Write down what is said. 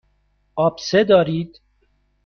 آبسه دارید.